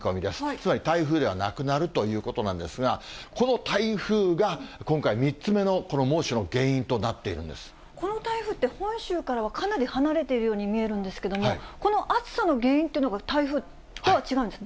つまり、台風ではなくなるということなんですが、この台風が今回、３つ目のこの猛暑の原因となってこの台風って、本州からはかなり離れているように見えるんですけれども、この暑さの原因というのが台風とは違うんですか？